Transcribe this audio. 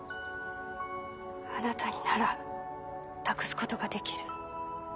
あなたになら託すことができる